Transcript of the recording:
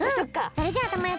それじゃあたまよ